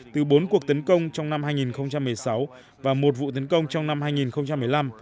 từ bốn cuộc tấn công trong năm hai nghìn một mươi sáu và một vụ tấn công trong năm hai nghìn một mươi năm